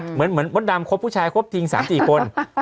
เหมือนมดดำคบผู้ชายครบทิ้ง๓๔คน